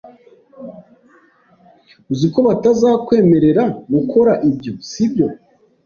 Uzi ko batazakwemerera gukora ibyo, sibyo?